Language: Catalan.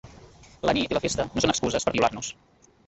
La nit, i la festa, no són excuses per violar-nos.